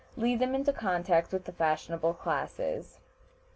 lead them into contact with the fashionable classes.